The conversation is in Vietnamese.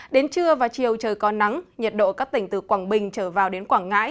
đến trưa và chiều trời có nắng nhiệt độ các tỉnh từ quảng bình trở vào đến quảng ngãi